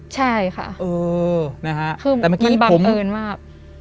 ใช่ค่ะเออนะฮะคือมันมีบังเอิญมาก